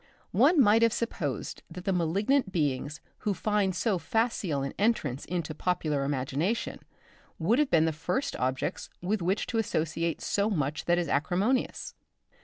One might have supposed that the malignant beings who find so facile an entrance into popular imagination would have been the first objects with which to associate so much that is acrimonious.